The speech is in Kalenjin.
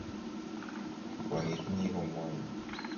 kiibwat kwanit nyi komwaini